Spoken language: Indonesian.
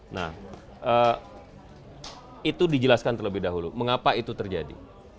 nah itu dijelaskan terlebih dahulu mengapa itu terjadi